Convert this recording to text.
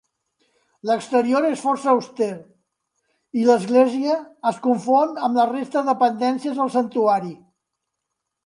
L'exterior és força auster i l'església es confon amb la resta dependències del santuari.